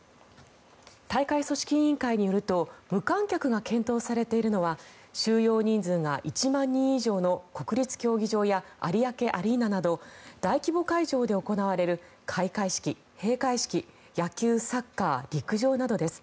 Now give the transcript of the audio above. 大会組織委員会によると無観客が検討されているのは収容人数が１万人以上の国立競技場や有明アリーナなど大規模会場で行われる開会式、閉会式野球、サッカー、陸上などです。